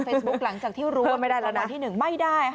ทางเฟซบุ๊กหลังจากที่รู้ไม่ได้ค่ะ